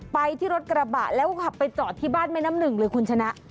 ไปที่รถกระบะแล้วขับไปจอดที่บ้านแม่น้ำหนึ่งเลยคุณชนะ